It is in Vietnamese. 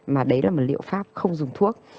mà đấy là một liệu pháp không dùng thuốc